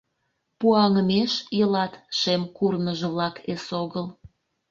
Пуаҥмеш илат Шем курныж-влак эсогыл!